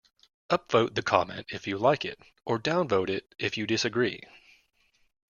Upvote the comment if you like it, or downvote it if you disagree.